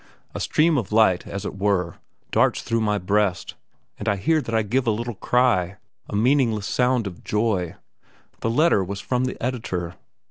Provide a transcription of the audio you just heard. A stream of light, as it were, darts through my breast, and I hear that I give a little cry a meaningless sound of joy. The letter was from the editor.